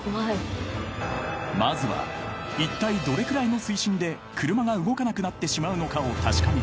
［まずはいったいどれくらいの水深で車が動かなくなってしまうのかを確かめる］